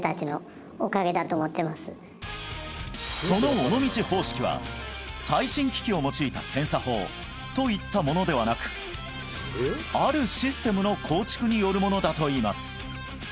その尾道方式は最新機器を用いた検査法といったものではなくによるものだといいます